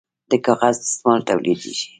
د کاغذ دستمال تولیدیږي